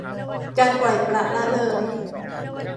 การปล่อยปละละเลย